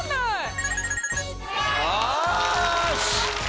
よし‼